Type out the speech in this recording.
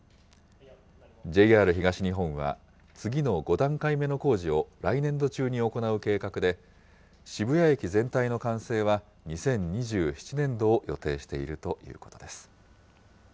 ＪＲ東日本は次の５段階目の工事を来年度中に行う計画で、渋谷駅全体の完成は２０２７年度を予定しているということです。